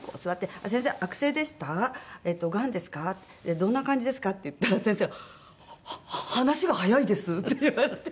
「どんな感じですか？」って言ったら先生が「話が早いです」って言われて。